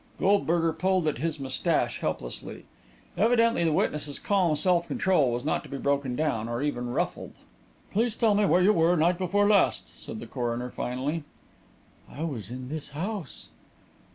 Goldberger pulled at his moustache helplessly. Evidently the witness's calm self control was not to be broken down, or even ruffled. "Please tell me where you were night before last," said the coroner, finally. "I was in this house."